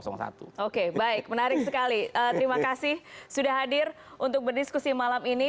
oke baik menarik sekali terima kasih sudah hadir untuk berdiskusi malam ini